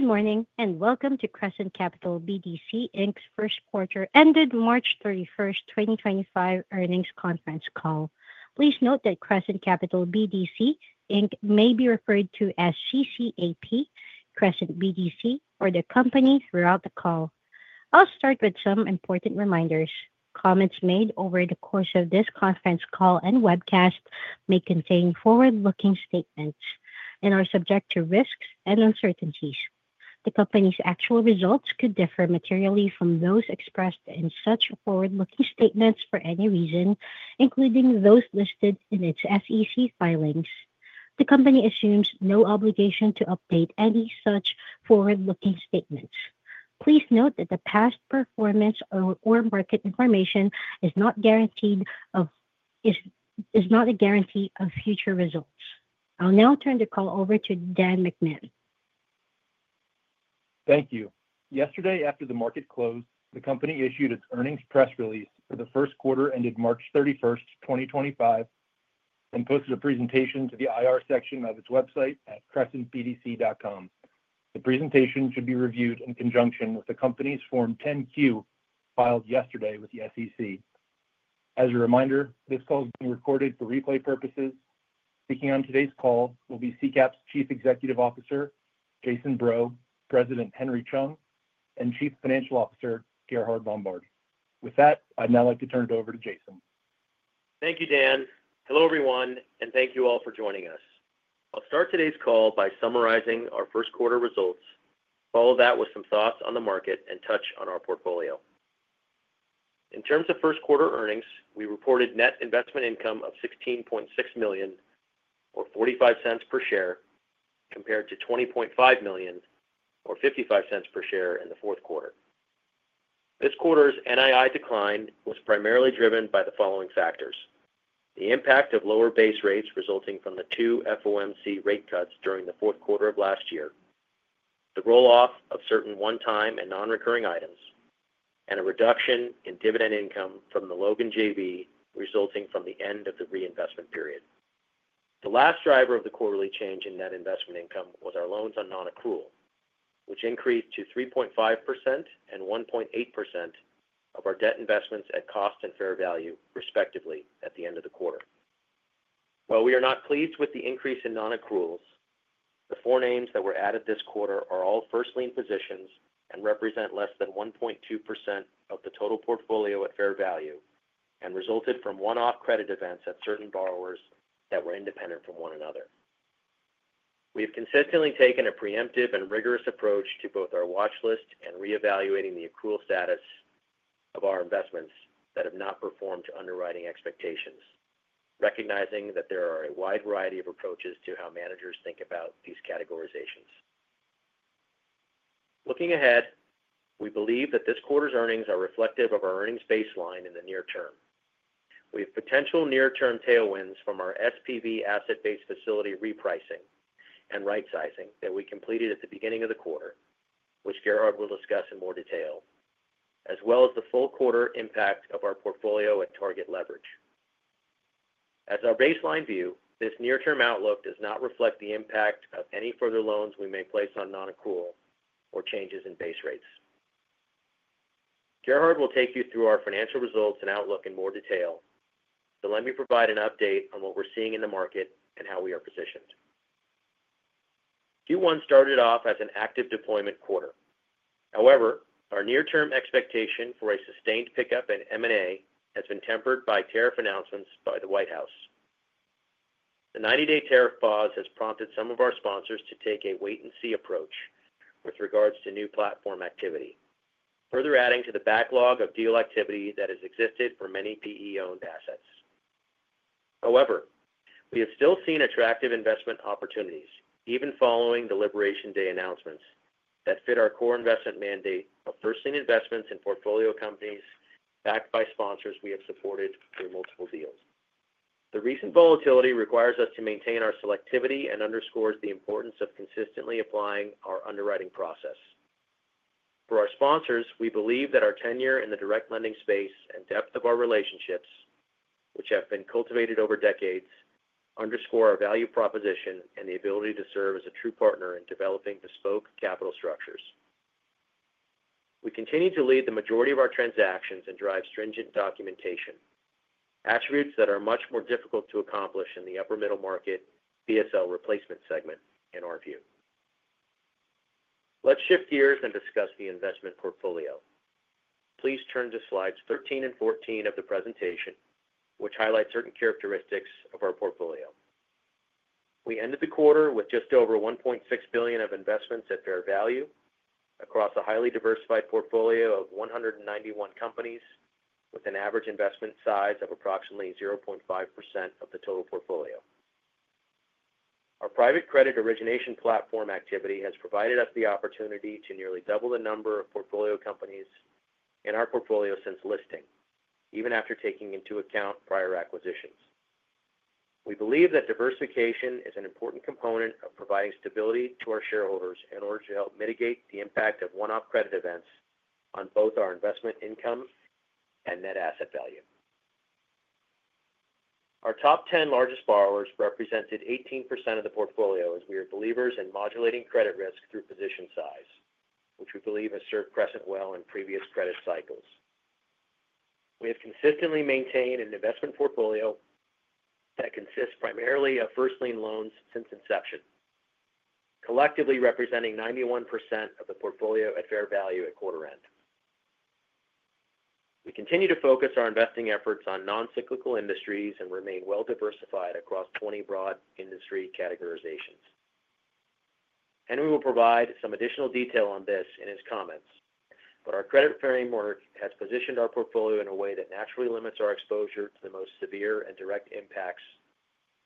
Good morning and Welcome to Crescent Capital BDC, Inc.'s first quarter-ended March 31st, 2025 earnings conference call. Please note that Crescent Capital BDC, Inc. may be referred to as CCAP, Crescent BDC, or the company throughout the call. I'll start with some important reminders. Comments made over the course of this conference call and webcast may contain forward-looking statements and are subject to risks and uncertainties. The company's actual results could differ materially from those expressed in such forward-looking statements for any reason, including those listed in its SEC filings. The company assumes no obligation to update any such forward-looking statements. Please note that the past performance or market information is not a guarantee of future results. I'll now turn the call over to Dan McMahon. Thank you. Yesterday, after the market closed, the company issued its earnings press release for the first quarter-ended March 31st, 2025, and posted a presentation to the IR section of its website at crescentbdc.com. The presentation should be reviewed in conjunction with the company's Form 10-Q filed yesterday with the SEC. As a reminder, this call is being recorded for replay purposes. Speaking on today's call will be CCAP's Chief Executive Officer, Jason Breaux, President Henry Chung, and Chief Financial Officer, Gerhard Lombard. With that, I'd now like to turn it over to Jason. Thank you, Dan. Hello, everyone, and thank you all for joining us. I'll start today's call by summarizing our first quarter results, follow that with some thoughts on the market, and touch on our portfolio. In terms of first quarter earnings, we reported net investment income of $16.6 million, or $0.45 per share, compared to $20.5 million, or $0.55 per share in the fourth quarter. This quarter's NII decline was primarily driven by the following factors: the impact of lower base rates resulting from the two FOMC rate cuts during the fourth quarter of last year, the roll-off of certain one-time and non-recurring items, and a reduction in dividend income from the Logan JV resulting from the end of the reinvestment period. The last driver of the quarterly change in net investment income was our loans on non-accrual, which increased to 3.5% and 1.8% of our debt investments at cost and fair value, respectively, at the end of the quarter. While we are not pleased with the increase in non-accruals, the four names that were added this quarter are all first-line positions and represent less than 1.2% of the total portfolio at fair value and resulted from one-off credit events at certain borrowers that were independent from one another. We have consistently taken a preemptive and rigorous approach to both our watchlist and reevaluating the accrual status of our investments that have not performed to underwriting expectations, recognizing that there are a wide variety of approaches to how managers think about these categorizations. Looking ahead, we believe that this quarter's earnings are reflective of our earnings baseline in the near term. We have potential near-term tailwinds from our SPV Asset-based Facility repricing and rightsizing that we completed at the beginning of the quarter, which Gerhard will discuss in more detail, as well as the full quarter impact of our portfolio at target leverage. As our baseline view, this near-term outlook does not reflect the impact of any further loans we may place on non-accrual or changes in base rates. Gerhard will take you through our financial results and outlook in more detail, so let me provide an update on what we're seeing in the market and how we are positioned. Q1 started off as an active deployment quarter. However, our near-term expectation for a sustained pickup in M&A has been tempered by tariff announcements by the White House. The 90-day tariff pause has prompted some of our sponsors to take a wait-and-see approach with regards to new platform activity, further adding to the backlog of deal activity that has existed for many PE-owned assets. However, we have still seen attractive investment opportunities, even following the liberation day announcements, that fit our core investment mandate of first-line investments in portfolio companies backed by sponsors we have supported through multiple deals. The recent volatility requires us to maintain our selectivity and underscores the importance of consistently applying our underwriting process. For our sponsors, we believe that our tenure in the direct lending space and depth of our relationships, which have been cultivated over decades, underscore our value proposition and the ability to serve as a true partner in developing bespoke capital structures. We continue to lead the majority of our transactions and drive stringent documentation, attributes that are much more difficult to accomplish in the upper-middle market BSL replacement segment, in our view. Let's shift gears and discuss the investment portfolio. Please turn to slides 13 and 14 of the presentation, which highlight certain characteristics of our portfolio. We ended the quarter with just over $1.6 billion of investments at fair value across a highly diversified portfolio of 191 companies, with an average investment size of approximately 0.5% of the total portfolio. Our private credit origination platform activity has provided us the opportunity to nearly double the number of portfolio companies in our portfolio since listing, even after taking into account prior acquisitions. We believe that diversification is an important component of providing stability to our shareholders in order to help mitigate the impact of one-off credit events on both our investment income and net asset value. Our top 10 largest borrowers represented 18% of the portfolio as we are believers in modulating credit risk through position size, which we believe has served Crescent well in previous credit cycles. We have consistently maintained an investment portfolio that consists primarily of first-lien loans since inception, collectively representing 91% of the portfolio at fair value at quarter-end. We continue to focus our investing efforts on non-cyclical industries and remain well-diversified across 20 broad industry categorizations. Henry will provide some additional detail on this in his comments, but our credit framework has positioned our portfolio in a way that naturally limits our exposure to the most severe and direct impacts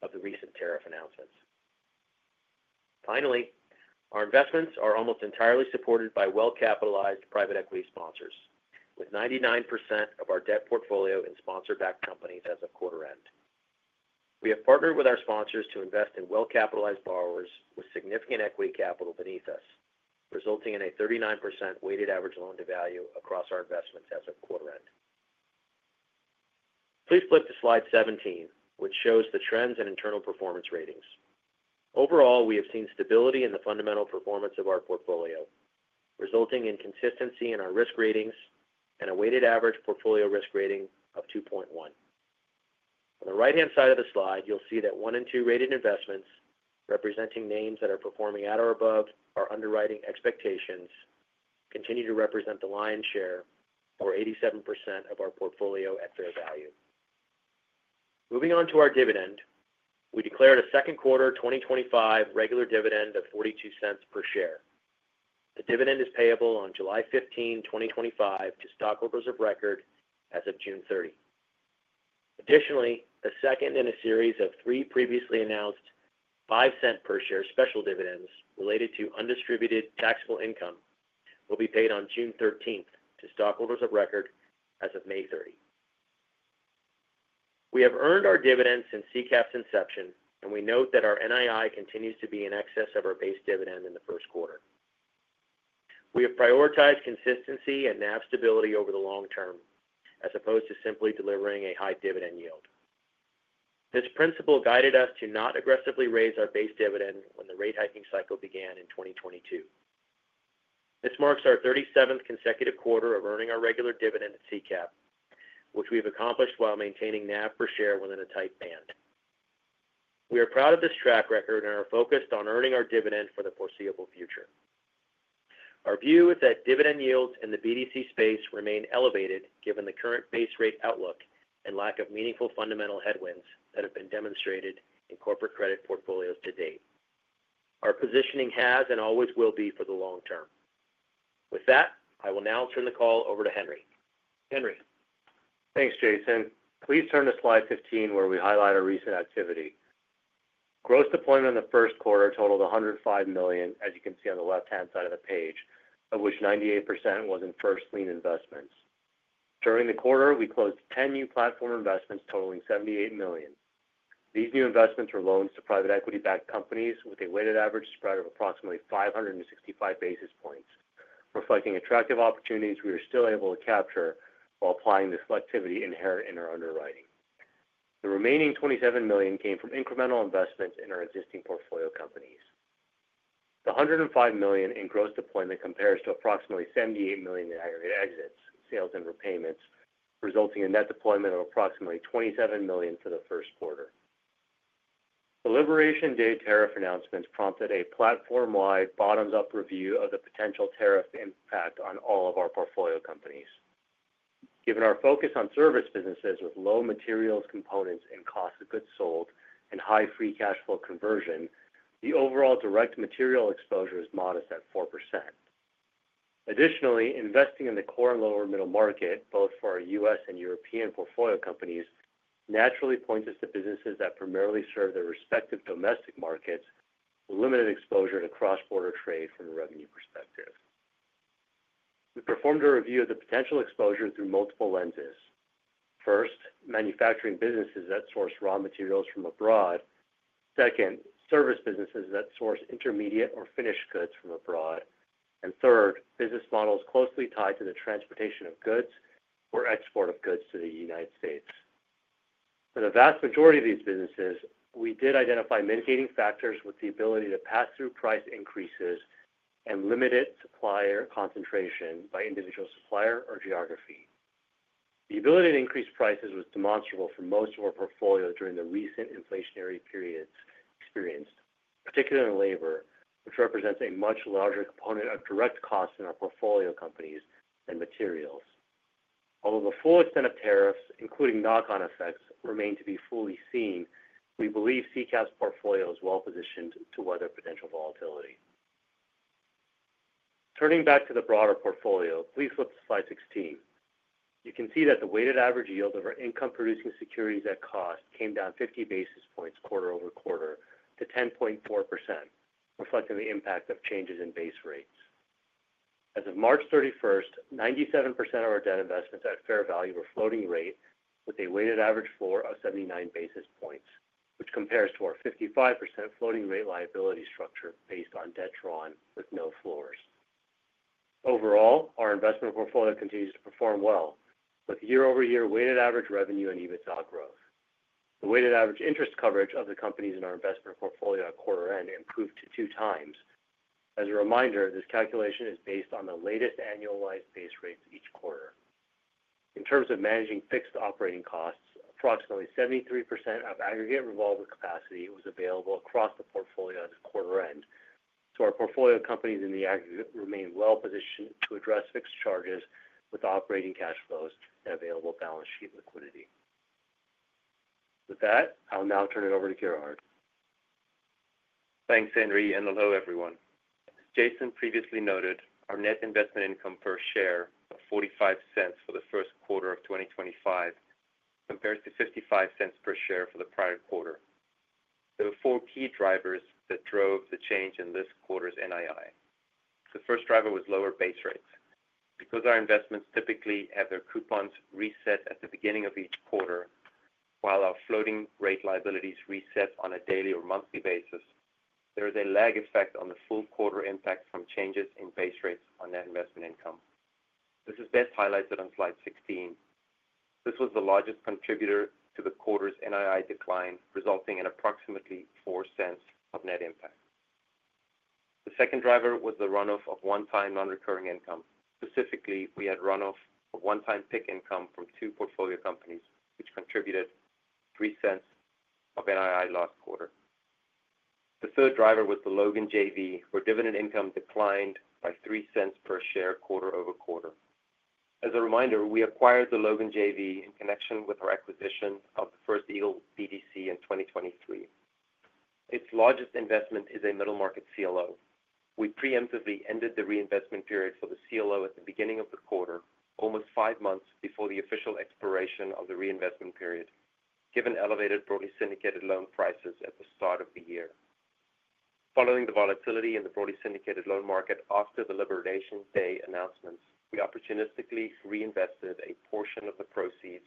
of the recent tariff announcements. Finally, our investments are almost entirely supported by well-capitalized private equity sponsors, with 99% of our debt portfolio in sponsor-backed companies as of quarter-end. We have partnered with our sponsors to invest in well-capitalized borrowers with significant equity capital beneath us, resulting in a 39% weighted average loan to value across our investments as of quarter-end. Please flip to slide 17, which shows the trends in internal performance ratings. Overall, we have seen stability in the fundamental performance of our portfolio, resulting in consistency in our risk ratings and a weighted average portfolio risk rating of 2.1. On the right-hand side of the slide, you'll see that one-in-two rated investments, representing names that are performing at or above our underwriting expectations, continue to represent the lion's share for 87% of our portfolio at fair value. Moving on to our dividend, we declared a second quarter 2025 regular dividend of $0.42 per share. The dividend is payable on July 15th, 2025, to stockholders of record as of June 30. Additionally, the second in a series of three previously announced $0.05 per share special dividends related to undistributed taxable income will be paid on June 13th to stockholders of record as of May 30. We have earned our dividends since CCAP's inception, and we note that our NII continues to be in excess of our base dividend in the first quarter. We have prioritized consistency and NAV stability over the long term as opposed to simply delivering a high dividend yield. This principle guided us to not aggressively raise our base dividend when the rate hiking cycle began in 2022. This marks our 37th consecutive quarter of earning our regular dividend at CCAP, which we have accomplished while maintaining NAV per share within a tight band. We are proud of this track record and are focused on earning our dividend for the foreseeable future. Our view is that dividend yields in the BDC space remain elevated given the current base rate outlook and lack of meaningful fundamental headwinds that have been demonstrated in corporate credit portfolios to date. Our positioning has and always will be for the long term. With that, I will now turn the call over to Henry. Henry. Thanks, Jason. Please turn to slide 15, where we highlight our recent activity. Gross deployment in the first quarter totaled $105 million, as you can see on the left-hand side of the page, of which 98% was in first-lien investments. During the quarter, we closed 10 new platform investments totaling $78 million. These new investments were loans to private equity-backed companies with a weighted average spread of approximately 565 basis points, reflecting attractive opportunities we are still able to capture while applying the selectivity inherent in our underwriting. The remaining $27 million came from incremental investments in our existing portfolio companies. The $105 million in gross deployment compares to approximately $78 million in aggregate exits, sales, and repayments, resulting in net deployment of approximately $27 million for the first quarter. The liberation day tariff announcements prompted a platform-wide bottoms-up review of the potential tariff impact on all of our portfolio companies. Given our focus on service businesses with low materials, components, and cost of goods sold, and high free cash flow conversion, the overall direct material exposure is modest at 4%. Additionally, investing in the core and lower-middle market, both for our U.S. and European portfolio companies, naturally points us to businesses that primarily serve their respective domestic markets with limited exposure to cross-border trade from a revenue perspective. We performed a review of the potential exposure through multiple lenses. First, manufacturing businesses that source raw materials from abroad. Second, service businesses that source intermediate or finished goods from abroad. Third, business models closely tied to the transportation of goods or export of goods to the United States. For the vast majority of these businesses, we did identify mitigating factors with the ability to pass through price increases and limited supplier concentration by individual supplier or geography. The ability to increase prices was demonstrable for most of our portfolio during the recent inflationary periods experienced, particularly in labor, which represents a much larger component of direct costs in our portfolio companies than materials. Although the full extent of tariffs, including knock-on effects, remain to be fully seen, we believe CCAP's portfolio is well-positioned to weather potential volatility. Turning back to the broader portfolio, please flip to slide 16. You can see that the weighted average yield of our income-producing securities at cost came down 50 basis points quarter-over-quarter to 10.4%, reflecting the impact of changes in base rates. As of March 31, 97% of our debt investments at fair value were floating rate with a weighted average floor of 79 basis points, which compares to our 55% floating rate liability structure based on debt drawn with no floors. Overall, our investment portfolio continues to perform well with year-over-year weighted average revenue and EBITDA growth. The weighted average interest coverage of the companies in our investment portfolio at quarter-end improved to two times. As a reminder, this calculation is based on the latest annualized base rates each quarter. In terms of managing fixed operating costs, approximately 73% of aggregate revolving capacity was available across the portfolio at quarter-end, so our portfolio companies in the aggregate remain well-positioned to address fixed charges with operating cash flows and available balance sheet liquidity. With that, I'll now turn it over to Gerhard. Thanks, Henry, and hello, everyone. As Jason previously noted, our net investment income per share of $0.45 for the first quarter of 2025 compares to $0.55 per share for the prior quarter. There were four key drivers that drove the change in this quarter's NII. The first driver was lower base rates. Because our investments typically have their coupons reset at the beginning of each quarter, while our floating rate liabilities reset on a daily or monthly basis, there is a lag effect on the full quarter impact from changes in base rates on net investment income. This is best highlighted on slide 16. This was the largest contributor to the quarter's NII decline, resulting in approximately $0.04 of net impact. The second driver was the runoff of one-time non-recurring income. Specifically, we had runoff of one-time pick income from two portfolio companies, which contributed $0.03 of NII last quarter. The third driver was the Logan JV, where dividend income declined by $0.03 per share quarter-over-quarter. As a reminder, we acquired the Logan JV in connection with our acquisition of the First Eagle BDC in 2023. Its largest investment is a middle-market CLO. We preemptively ended the reinvestment period for the CLO at the beginning of the quarter, almost five months before the official expiration of the reinvestment period, given elevated broadly syndicated loan prices at the start of the year. Following the volatility in the broadly syndicated loan market after the Liberation Day announcements, we opportunistically reinvested a portion of the proceeds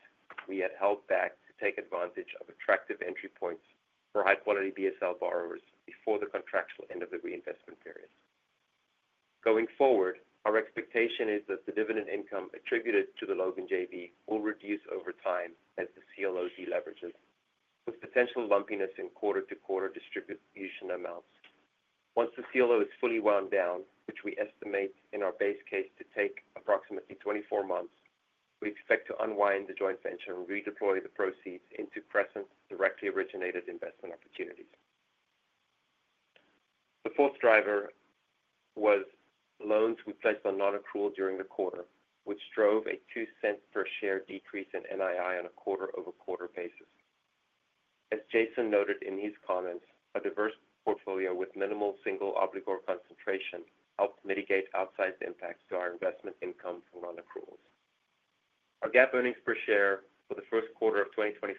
we had held back to take advantage of attractive entry points for high-quality BSL borrowers before the contractual end of the reinvestment period. Going forward, our expectation is that the dividend income attributed to the Logan JV will reduce over time as the CLO deleverages, with potential lumpiness in quarter-to-quarter distribution amounts. Once the CLO is fully wound down, which we estimate in our base case to take approximately 24 months, we expect to unwind the joint venture and redeploy the proceeds into Crescent's directly originated investment opportunities. The fourth driver was loans we placed on non-accrual during the quarter, which drove a $0.02 per share decrease in NII on a quarter-over-quarter basis. As Jason noted in his comments, a diverse portfolio with minimal single obligor concentration helped mitigate outsized impacts to our investment income from non-accruals. Our GAAP earnings per share for the first quarter of 2025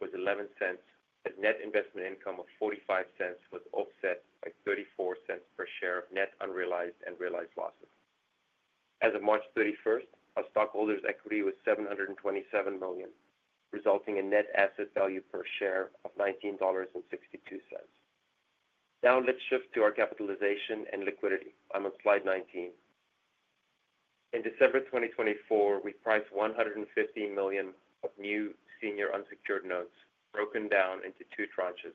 was $0.11, as net investment income of $0.45 was offset by $0.34 per share of net unrealized and realized losses. As of March 31st, our stockholders' equity was $727 million, resulting in net asset value per share of $19.62. Now let's shift to our capitalization and liquidity. I'm on slide 19. In December 2024, we priced $115 million of new senior unsecured notes, broken down into two tranches: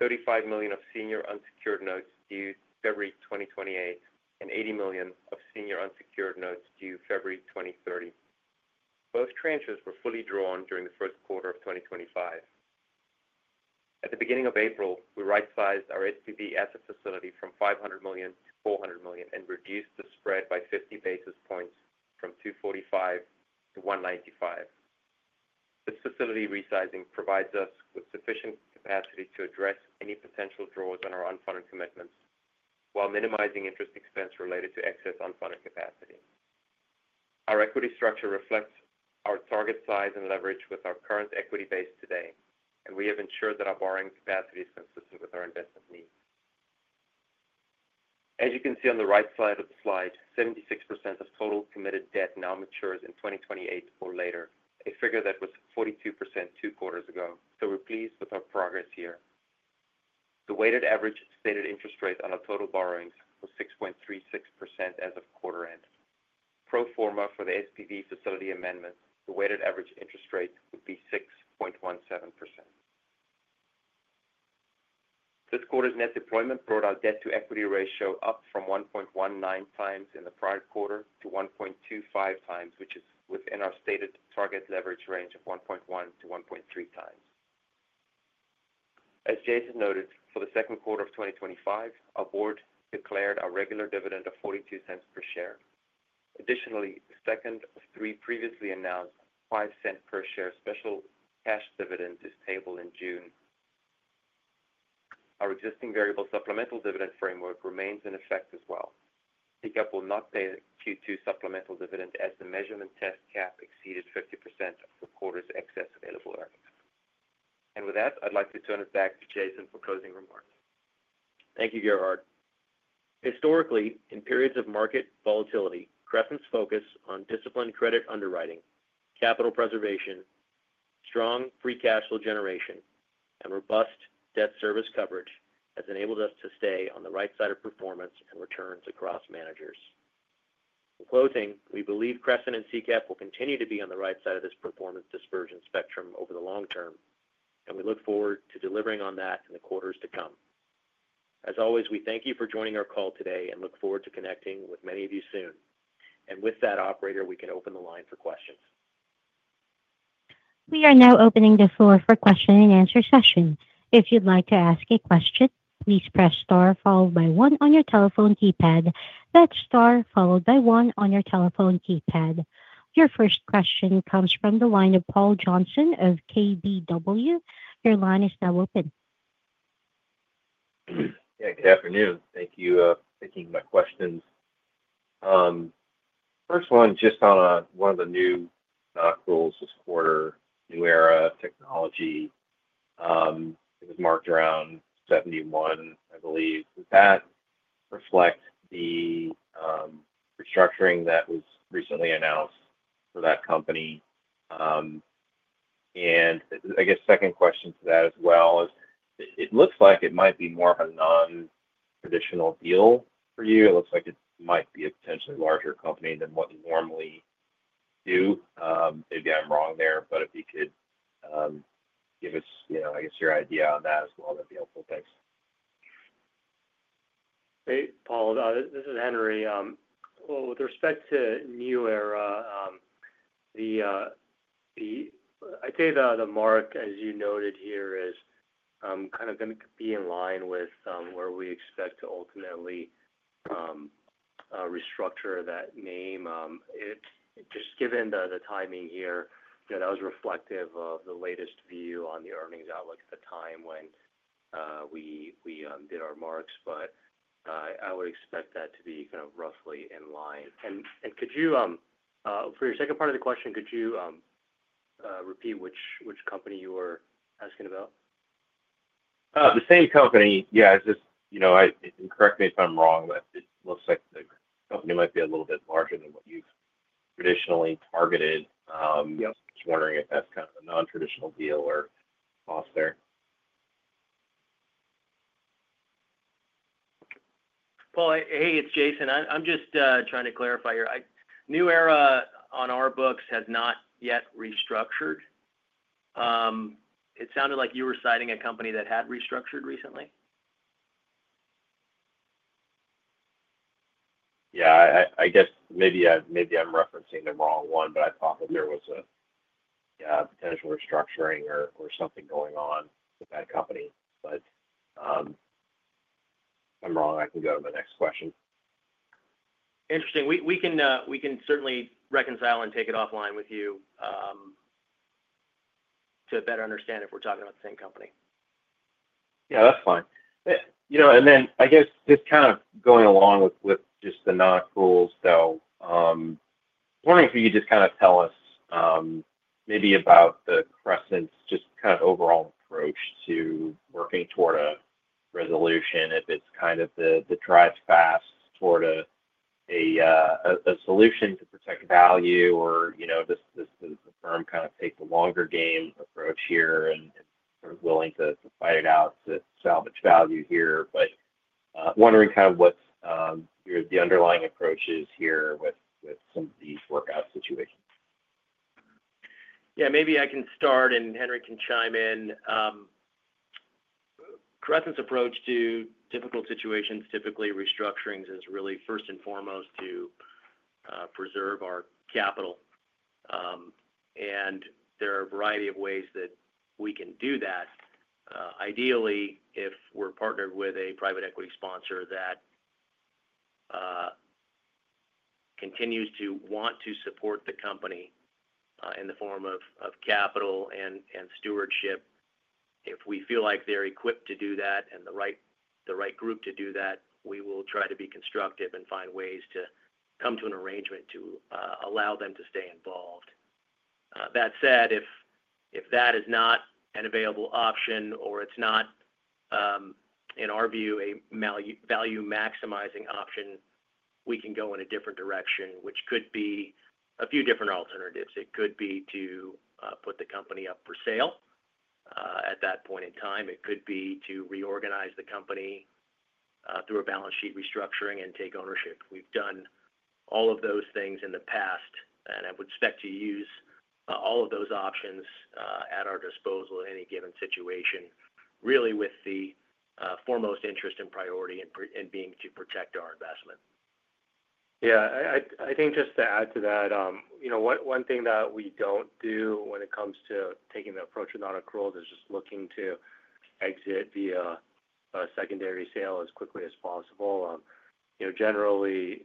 $35 million of senior unsecured notes due February 2028 and $80 million of senior unsecured notes due February 2030. Both tranches were fully drawn during the first quarter of 2025. At the beginning of April, we right-sized our SBB asset facility from $500 million to $400 million and reduced the spread by 50 basis points from 245 to 195. This facility resizing provides us with sufficient capacity to address any potential draws on our unfunded commitments while minimizing interest expense related to excess unfunded capacity. Our equity structure reflects our target size and leverage with our current equity base today, and we have ensured that our borrowing capacity is consistent with our investment needs. As you can see on the right side of the slide, 76% of total committed debt now matures in 2028 or later, a figure that was 42% two quarters ago, so we're pleased with our progress here. The weighted average stated interest rate on our total borrowings was 6.36% as of quarter-end. Pro forma for the SBB facility amendment, the weighted average interest rate would be 6.17%. This quarter's net deployment brought our debt-to-equity ratio up from 1.19x in the prior quarter to 1.25x, which is within our stated target leverage range of 1.1x-1.3x. As Jason noted, for the second quarter of 2025, our board declared our regular dividend of $0.42 per share. Additionally, the second of three previously announced $0.05 per share special cash dividends is payable in June. Our existing variable supplemental dividend framework remains in effect as well. CCAP will not pay a Q2 supplemental dividend as the measurement test cap exceeded 50% of the quarter's excess available earnings. With that, I'd like to turn it back to Jason for closing remarks. Thank you, Gerhard. Historically, in periods of market volatility, Crescent's focus on disciplined credit underwriting, capital preservation, strong free cash flow generation, and robust debt service coverage has enabled us to stay on the right side of performance and returns across managers. In closing, we believe Crescent and CCAP will continue to be on the right side of this performance dispersion spectrum over the long term, and we look forward to delivering on that in the quarters to come. As always, we thank you for joining our call today and look forward to connecting with many of you soon. With that, Operator, we can open the line for questions. We are now opening the floor for question-and-answer sessions. If you'd like to ask a question, please press star followed by one on your telephone keypad. That's star followed by one on your telephone keypad. Your first question comes from the line of Paul Johnson of KBW. Your line is now open. Yeah, good afternoon. Thank you for taking my questions. First one, just on one of the new non-accruals this quarter, New Era Technology. It was marked around 71, I believe. Does that reflect the restructuring that was recently announced for that company? I guess second question to that as well is it looks like it might be more of a non-traditional deal for you. It looks like it might be a potentially larger company than what you normally do. Maybe I'm wrong there, but if you could give us, I guess, your idea on that as well, that'd be helpful. Thanks. Hey, Paul. This is Henry. With respect to New Era, I'd say the mark, as you noted here, is kind of going to be in line with where we expect to ultimately restructure that name. Just given the timing here, that was reflective of the latest view on the earnings outlook at the time when we did our marks. I would expect that to be kind of roughly in line. For your second part of the question, could you repeat which company you were asking about? The same company. Yeah, just correct me if I'm wrong, but it looks like the company might be a little bit larger than what you've traditionally targeted. Just wondering if that's kind of a non-traditional deal or cost there. Paul, hey, it's Jason. I'm just trying to clarify here. New Era on our books has not yet restructured. It sounded like you were citing a company that had restructured recently. Yeah, I guess maybe I'm referencing the wrong one, but I thought that there was a potential restructuring or something going on with that company. If I'm wrong, I can go to the next question. Interesting. We can certainly reconcile and take it offline with you to better understand if we're talking about the same company. Yeah, that's fine. I guess just kind of going along with just the non-accruals, though, I was wondering if you could just kind of tell us maybe about Crescent's just kind of overall approach to working toward a resolution, if it's kind of the drive fast toward a solution to protect value or if the firm kind of takes a longer game approach here and is willing to fight it out to salvage value here. I am wondering kind of what the underlying approach is here with some of these workout situations. Yeah, maybe I can start, and Henry can chime in. Crescent's approach to difficult situations, typically restructuring, is really first and foremost to preserve our capital. There are a variety of ways that we can do that. Ideally, if we're partnered with a private equity sponsor that continues to want to support the company in the form of capital and stewardship, if we feel like they're equipped to do that and the right group to do that, we will try to be constructive and find ways to come to an arrangement to allow them to stay involved. That said, if that is not an available option or it's not, in our view, a value-maximizing option, we can go in a different direction, which could be a few different alternatives. It could be to put the company up for sale at that point in time. It could be to reorganize the company through a balance sheet restructuring and take ownership. We've done all of those things in the past, and I would expect to use all of those options at our disposal in any given situation, really with the foremost interest and priority in being to protect our investment. Yeah, I think just to add to that, one thing that we do not do when it comes to taking the approach with non-accruals is just looking to exit via a secondary sale as quickly as possible. Generally,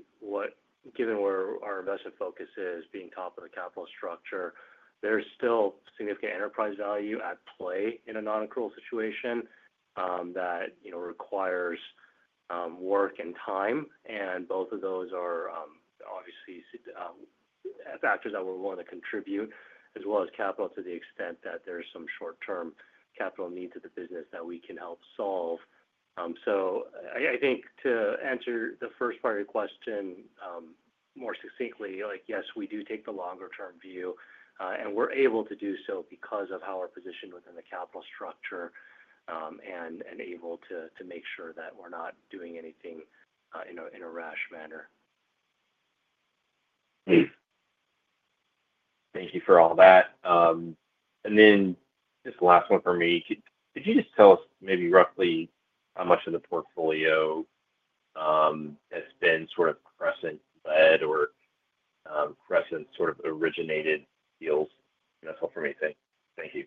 given where our investment focus is, being top of the capital structure, there is still significant enterprise value at play in a non-accrual situation that requires work and time. Both of those are obviously factors that we are willing to contribute, as well as capital to the extent that there are some short-term capital needs of the business that we can help solve. I think to answer the first part of your question more succinctly, yes, we do take the longer-term view, and we are able to do so because of how we are positioned within the capital structure and able to make sure that we are not doing anything in a rash manner. Thank you for all that. And then just the last one for me. Could you just tell us maybe roughly how much of the portfolio has been sort of Crescent-led or Crescent sort of originated deals? That's all for me. Thank you.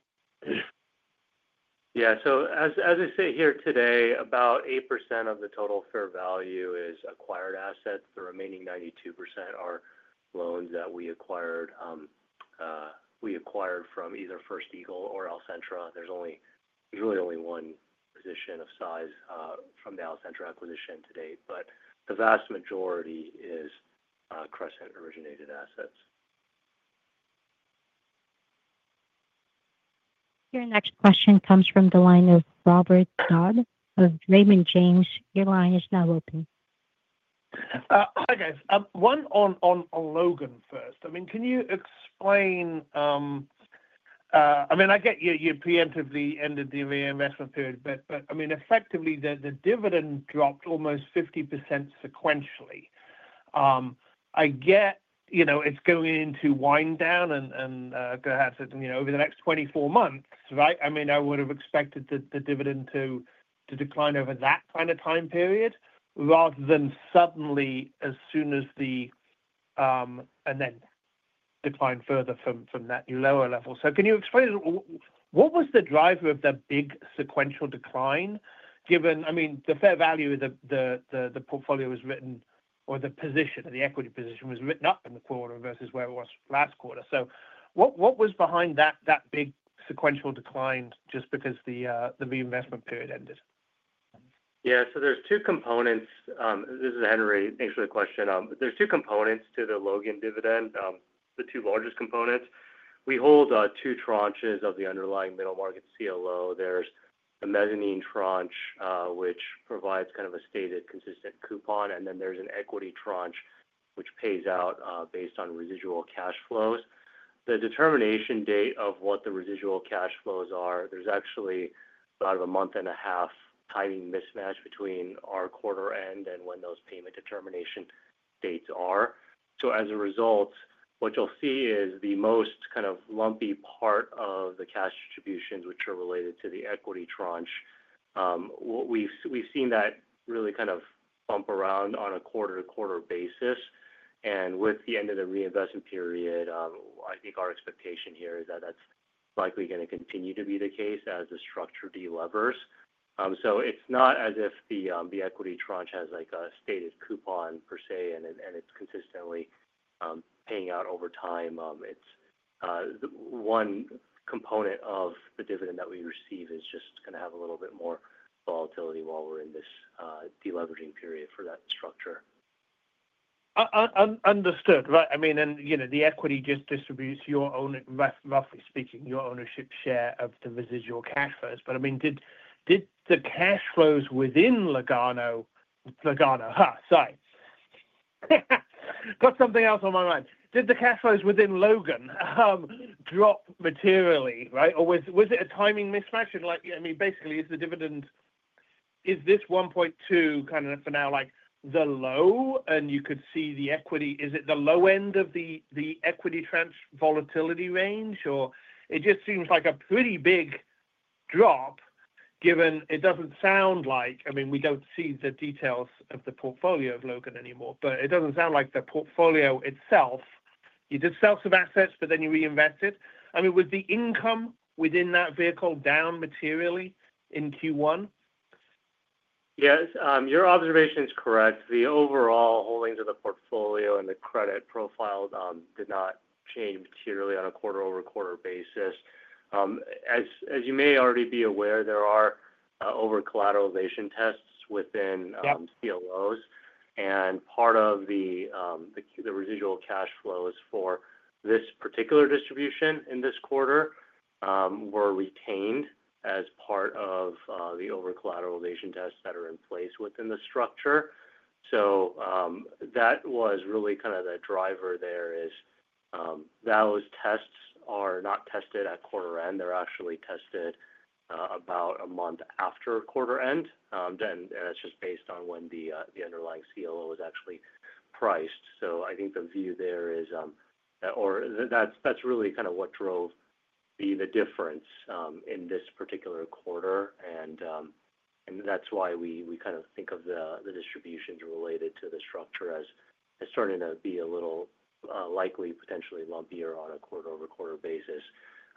Yeah. As I say here today, about 8% of the total fair value is acquired assets. The remaining 92% are loans that we acquired from either First Eagle or Alcentra. There is really only one position of size from the Alcentra acquisition to date, but the vast majority is Crescent-originated assets. Your next question comes from the line of Robert Dodd of Raymond James. Your line is now open. Hi, guys. One on Logan first. I mean, can you explain? I mean, I get you preemptively ended the investment period, but I mean, effectively, the dividend dropped almost 50% sequentially. I get it's going into wind down and perhaps over the next 24 months, right? I mean, I would have expected the dividend to decline over that kind of time period rather than suddenly, as soon as the and then decline further from that lower level. So can you explain what was the driver of the big sequential decline given, I mean, the fair value of the portfolio was written or the position, the equity position was written up in the quarter versus where it was last quarter? So what was behind that big sequential decline just because the reinvestment period ended? Yeah. There are two components. This is Henry answering the question. There are two components to the Logan dividend, the two largest components. We hold two tranches of the underlying middle market CLO. There is a mezzanine tranche, which provides kind of a stated consistent coupon, and then there is an equity tranche, which pays out based on residual cash flows. The determination date of what the residual cash flows are, there is actually about a month and a half timing mismatch between our quarter end and when those payment determination dates are. As a result, what you will see is the most kind of lumpy part of the cash distributions, which are related to the equity tranche. We have seen that really kind of bump around on a quarter-to-quarter basis. With the end of the reinvestment period, I think our expectation here is that that's likely going to continue to be the case as the structure delivers. It is not as if the equity tranche has a stated coupon per se, and it is consistently paying out over time. It is one component of the dividend that we receive, it is just going to have a little bit more volatility while we are in this deleveraging period for that structure. Understood. Right. I mean, and the equity just distributes your own, roughly speaking, your ownership share of the residual cash flows. I mean, did the cash flows within Logan drop materially, right? Or was it a timing mismatch? I mean, basically, is the dividend—is this $1.2 kind of for now the low? You could see the equity—is it the low end of the equity tranche volatility range, or it just seems like a pretty big drop given it doesn't sound like—I mean, we don't see the details of the portfolio of Logan anymore, but it doesn't sound like the portfolio itself—you did sales of assets, but then you reinvested. I mean, was the income within that vehicle down materially in Q1? Yeah, your observation is correct. The overall holdings of the portfolio and the credit profile did not change materially on a quarter-over-quarter basis. As you may already be aware, there are over-collateralization tests within CLOs, and part of the residual cash flows for this particular distribution in this quarter were retained as part of the over-collateralization tests that are in place within the structure. That was really kind of the driver there is those tests are not tested at quarter end. They are actually tested about a month after quarter end. That is just based on when the underlying CLO was actually priced. I think the view there is—or that is really kind of what drove the difference in this particular quarter. That is why we kind of think of the distributions related to the structure as starting to be a little likely potentially lumpier on a quarter-over-quarter basis.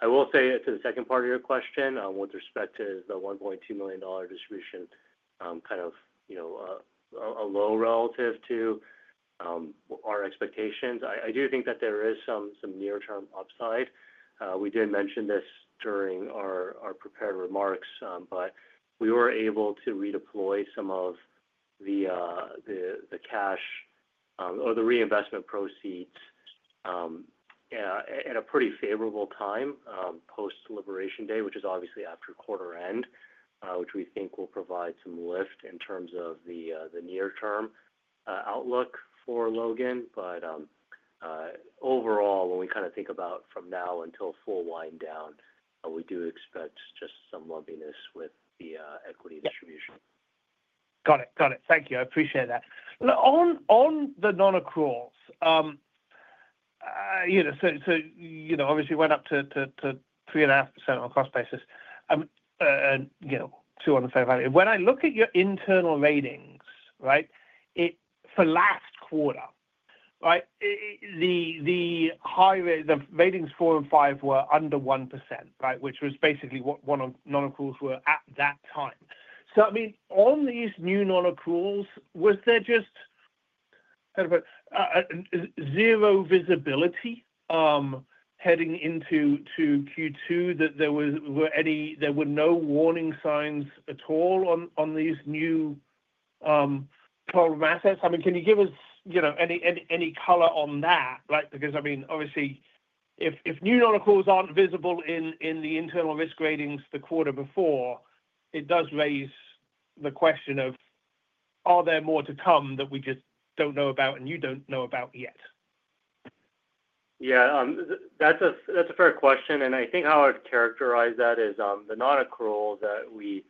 I will say to the second part of your question with respect to the $1.2 million distribution, kind of low relative to our expectations. I do think that there is some near-term upside. We did mention this during our prepared remarks, but we were able to redeploy some of the cash or the reinvestment proceeds at a pretty favorable time post-liberation day, which is obviously after quarter end, which we think will provide some lift in terms of the near-term outlook for Logan. Overall, when we kind of think about from now until full wind down, we do expect just some lumpiness with the equity distribution. Got it. Got it. Thank you. I appreciate that. On the non-accruals, obviously went up to 3.5% on a cost basis and 2.5%. When I look at your internal ratings, right, for last quarter, right, the ratings 4% and 5% were under 1%, right, which was basically what non-accruals were at that time. I mean, on these new non-accruals, was there just zero visibility heading into Q2 that there were no warning signs at all on these new problem assets? I mean, can you give us any color on that? Because, I mean, obviously, if new non-accruals are not visible in the internal risk ratings the quarter before, it does raise the question of, are there more to come that we just do not know about and you do not know about yet? Yeah, that's a fair question. I think how I'd characterize that is the non-accruals that we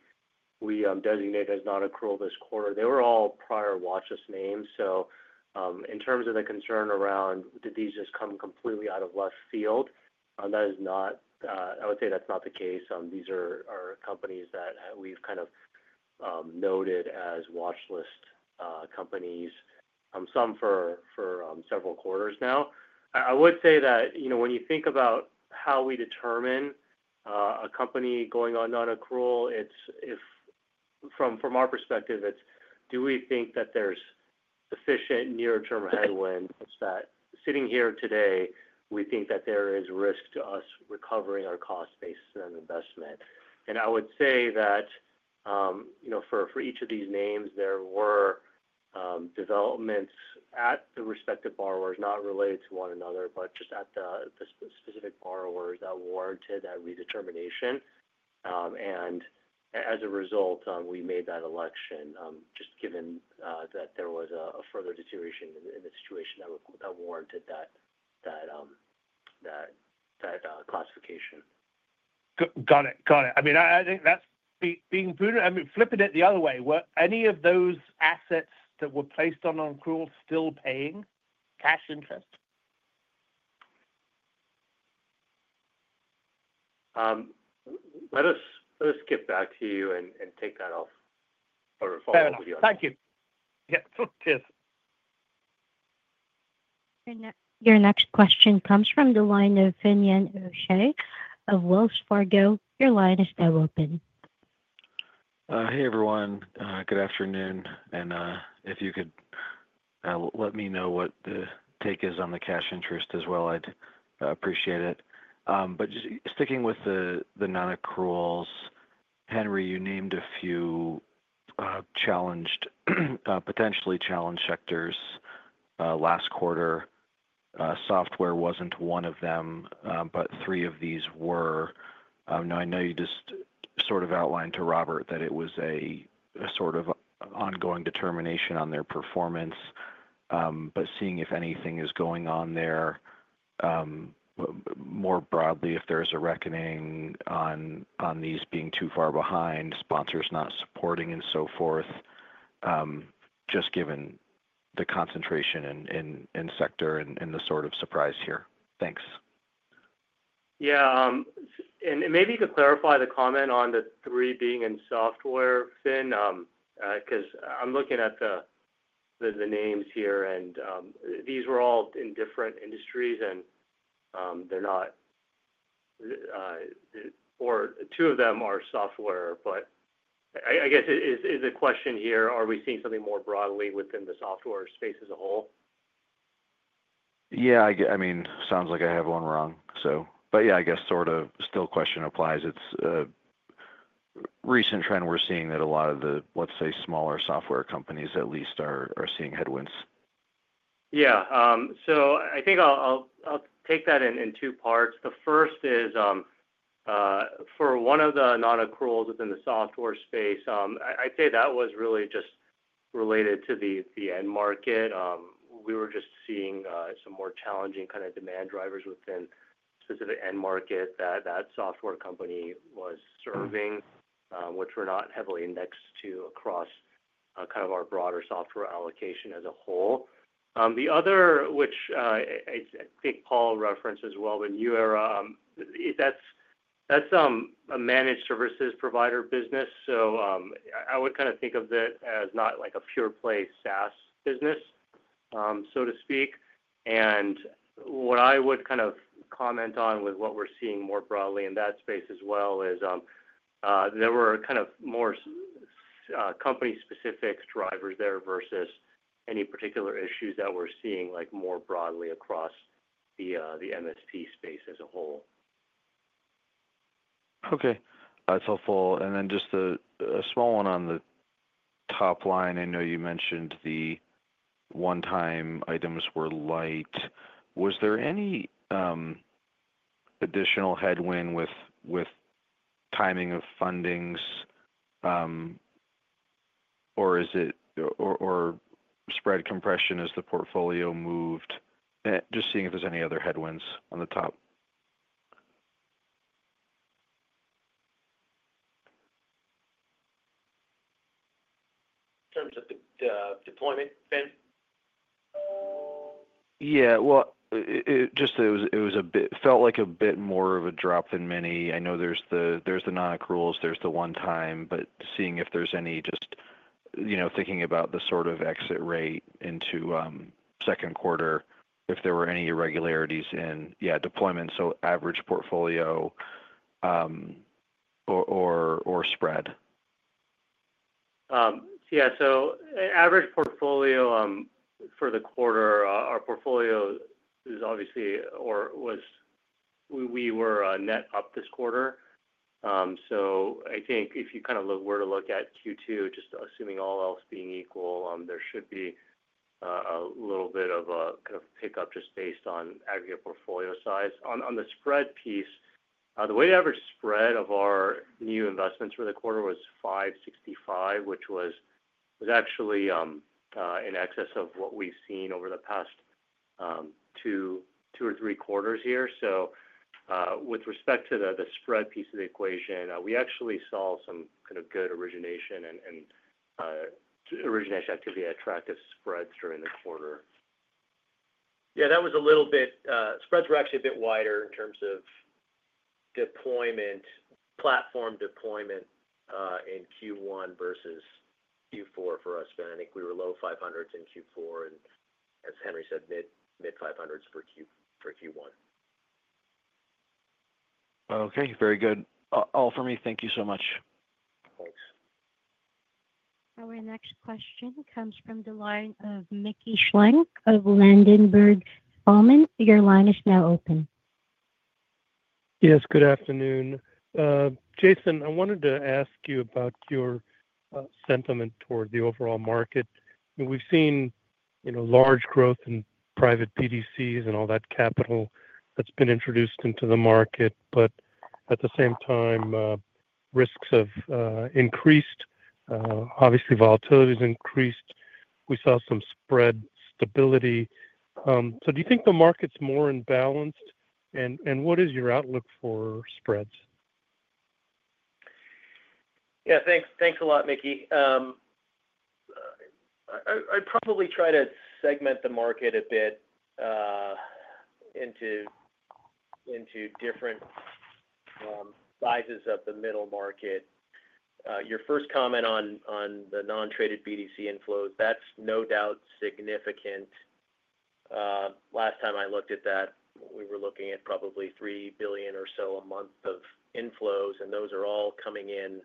designate as non-accrual this quarter, they were all prior watch list names. In terms of the concern around, did these just come completely out of left field? I would say that's not the case. These are companies that we've kind of noted as watch list companies, some for several quarters now. I would say that when you think about how we determine a company going on non-accrual, from our perspective, it's do we think that there's sufficient near-term headwinds that sitting here today, we think that there is risk to us recovering our cost-based investment? I would say that for each of these names, there were developments at the respective borrowers, not related to one another, but just at the specific borrowers that warranted that redetermination. As a result, we made that election just given that there was a further deterioration in the situation that warranted that classification. Got it. Got it. I mean, I think that's being prudent. I mean, flipping it the other way, were any of those assets that were placed on non-accrual still paying cash interest? Let us skip back to you and take that off or follow up with you. Thank you. Yeah. Cheers. Your next question comes from the line of Finian O'Shea of Wells Fargo. Your line is now open. Hey, everyone. Good afternoon. If you could let me know what the take is on the cash interest as well, I'd appreciate it. Just sticking with the non-accruals, Henry, you named a few potentially challenged sectors last quarter. Software was not one of them, but three of these were. I know you just sort of outlined to Robert that it was a sort of ongoing determination on their performance, but seeing if anything is going on there more broadly, if there is a reckoning on these being too far behind, sponsors not supporting, and so forth, just given the concentration in sector and the sort of surprise here. Thanks. Yeah. Maybe to clarify the comment on the three being in software, Fin, because I'm looking at the names here, and these were all in different industries, and they're not or two of them are software. I guess the question here, are we seeing something more broadly within the software space as a whole? Yeah. I mean, sounds like I have one wrong, so. Yeah, I guess sort of still question applies. It's a recent trend we're seeing that a lot of the, let's say, smaller software companies at least are seeing headwinds. Yeah. I think I'll take that in two parts. The first is for one of the non-accruals within the software space, I'd say that was really just related to the end market. We were just seeing some more challenging kind of demand drivers within specific end market that that software company was serving, which were not heavily indexed to across kind of our broader software allocation as a whole. The other, which I think Paul referenced as well, the New Era, that's a managed services provider business. I would kind of think of it as not like a pure play SaaS business, so to speak. What I would kind of comment on with what we're seeing more broadly in that space as well is there were kind of more company-specific drivers there versus any particular issues that we're seeing more broadly across the MSP space as a whole. Okay. That's helpful. Then just a small one on the top line. I know you mentioned the one-time items were light. Was there any additional headwind with timing of fundings, or is it or spread compression as the portfolio moved? Just seeing if there's any other headwinds on the top. In terms of the deployment, Fin? Yeah. Just it felt like a bit more of a drop than many. I know there's the non-accruals, there's the one-time, but seeing if there's any just thinking about the sort of exit rate into second quarter, if there were any irregularities in, yeah, deployment, so average portfolio or spread. Yeah. So average portfolio for the quarter, our portfolio is obviously or was we were net up this quarter. I think if you kind of were to look at Q2, just assuming all else being equal, there should be a little bit of a kind of pickup just based on aggregate portfolio size. On the spread piece, the weighted average spread of our new investments for the quarter was 5.65%, which was actually in excess of what we've seen over the past two or three quarters here. With respect to the spread piece of the equation, we actually saw some kind of good origination and origination activity attractive spreads during the quarter. Yeah, that was a little bit. Spreads were actually a bit wider in terms of deployment, platform deployment in Q1 versus Q4 for us, but I think we were low 500s in Q4 and, as Henry said, mid 500s for Q1. Okay. Very good. All for me. Thank you so much. Our next question comes from the line of Mickey Schleien of Ladenburg Thalmann. Your line is now open. Yes, good afternoon. Jason, I wanted to ask you about your sentiment toward the overall market. We've seen large growth in private BDCs and all that capital that's been introduced into the market, but at the same time, risks have increased. Obviously, volatility has increased. We saw some spread stability. Do you think the market's more imbalanced? What is your outlook for spreads? Yeah. Thanks a lot, Mickey. I'd probably try to segment the market a bit into different sizes of the middle market. Your first comment on the non-traded BDC inflows, that's no doubt significant. Last time I looked at that, we were looking at probably $3 billion or so a month of inflows, and those are all coming in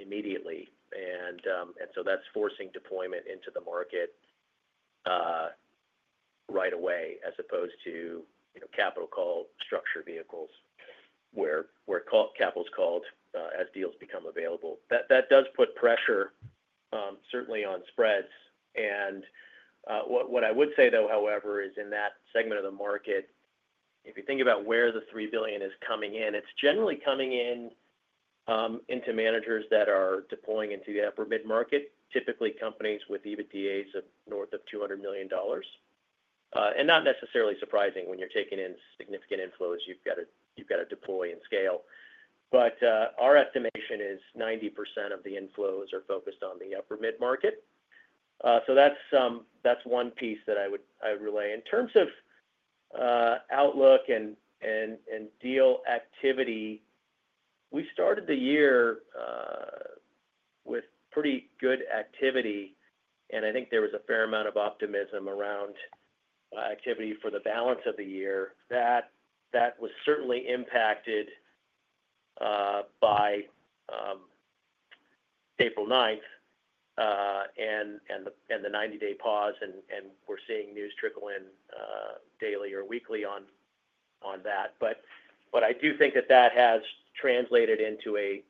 immediately. That is forcing deployment into the market right away as opposed to capital call structure vehicles where capital's called as deals become available. That does put pressure certainly on spreads. What I would say, though, however, is in that segment of the market, if you think about where the $3 billion is coming in, it's generally coming into managers that are deploying into the upper mid-market, typically companies with EBITDAs north of $200 million. Not necessarily surprising when you're taking in significant inflows, you've got to deploy and scale. Our estimation is 90% of the inflows are focused on the upper mid-market. That's one piece that I would relay. In terms of outlook and deal activity, we started the year with pretty good activity, and I think there was a fair amount of optimism around activity for the balance of the year. That was certainly impacted by April 9th and the 90-day pause, and we're seeing news trickle in daily or weekly on that. I do think that has translated into a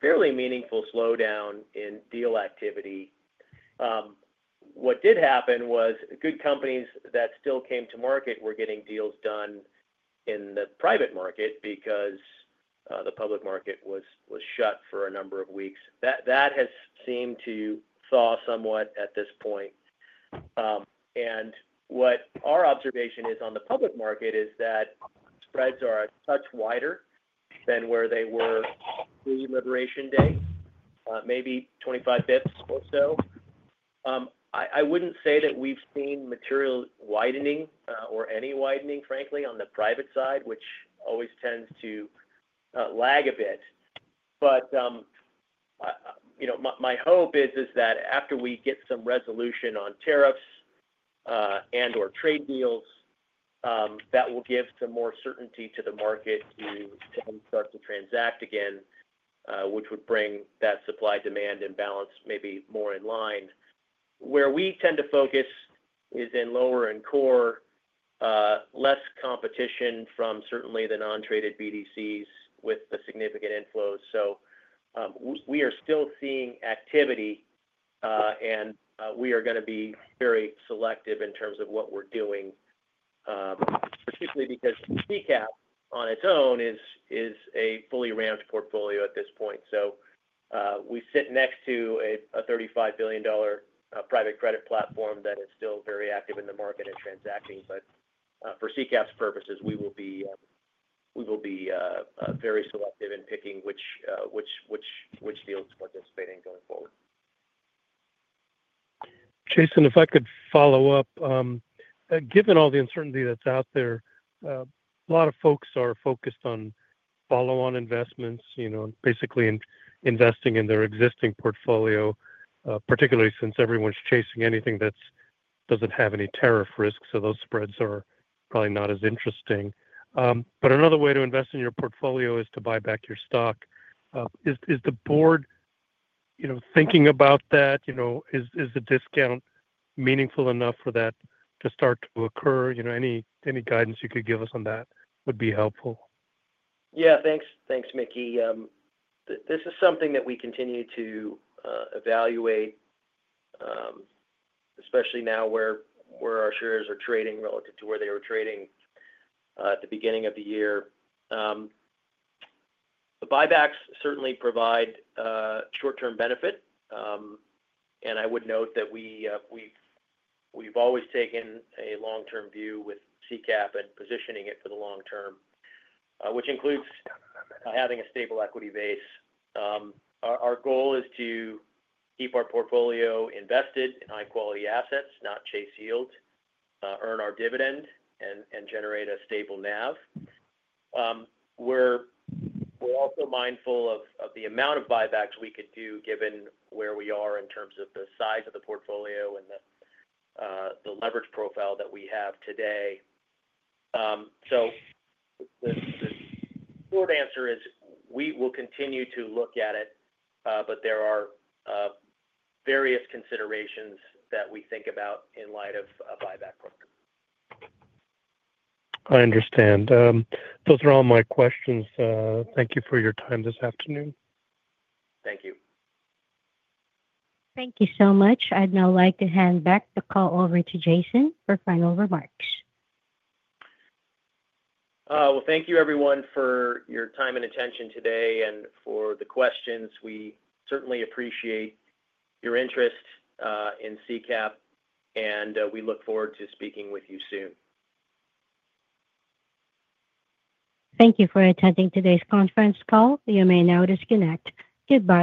fairly meaningful slowdown in deal activity. What did happen was good companies that still came to market were getting deals done in the private market because the public market was shut for a number of weeks. That has seemed to thaw somewhat at this point. What our observation is on the public market is that spreads are a touch wider than where they were pre-liberation day, maybe 25 bps or so. I would not say that we have seen material widening or any widening, frankly, on the private side, which always tends to lag a bit. My hope is that after we get some resolution on tariffs and/or trade deals, that will give some more certainty to the market to start to transact again, which would bring that supply-demand imbalance maybe more in line. Where we tend to focus is in lower and core, less competition from certainly the non-traded BDCs with the significant inflows. We are still seeing activity, and we are going to be very selective in terms of what we are doing, particularly because CCAP on its own is a fully ramped portfolio at this point. We sit next to a $35 billion private credit platform that is still very active in the market and transacting. For CCAP's purposes, we will be very selective in picking which deals to participate in going forward. Jason, if I could follow up, given all the uncertainty that's out there, a lot of folks are focused on follow-on investments, basically investing in their existing portfolio, particularly since everyone's chasing anything that doesn't have any tariff risks, so those spreads are probably not as interesting. Another way to invest in your portfolio is to buy back your stock. Is the board thinking about that? Is the discount meaningful enough for that to start to occur? Any guidance you could give us on that would be helpful. Yeah. Thanks, Mickey. This is something that we continue to evaluate, especially now where our shares are trading relative to where they were trading at the beginning of the year. The buybacks certainly provide short-term benefit. I would note that we've always taken a long-term view with CCAP and positioning it for the long term, which includes having a stable equity base. Our goal is to keep our portfolio invested in high-quality assets, not chase yields, earn our dividend, and generate a stable NAV. We're also mindful of the amount of buybacks we could do given where we are in terms of the size of the portfolio and the leverage profile that we have today. The short answer is we will continue to look at it, but there are various considerations that we think about in light of a buyback program. I understand. Those are all my questions. Thank you for your time this afternoon. Thank you. Thank you so much. I'd now like to hand back the call over to Jason for final remarks. Thank you, everyone, for your time and attention today and for the questions. We certainly appreciate your interest in CCAP, and we look forward to speaking with you soon. Thank you for attending today's conference call. You may now disconnect. Goodbye.